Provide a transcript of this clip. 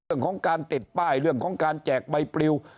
เรื่องของการติดป้ายเรื่องของการแจกใบปลิว